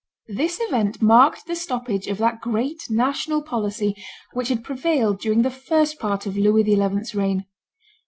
This event marked the stoppage of that great, national policy which had prevailed during the first part of Louis XI.'s reign.